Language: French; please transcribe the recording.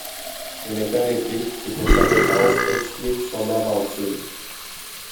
Elle est arrêtée et pour sa défense explique son aventure.